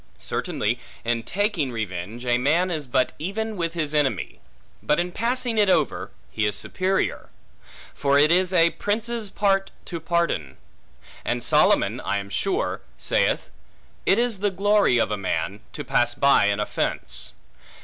Certainly, in taking revenge, a man is but even with his enemy; but in passing it over, he is superior; for it is a prince's part to pardon. And Solomon, I am sure, saith, It is the glory of a man, to pass by an offence.